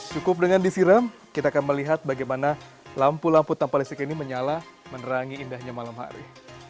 cukup dengan disiram kita akan melihat bagaimana lampu lampu tanpa listrik ini menyala menerangi indahnya malam hari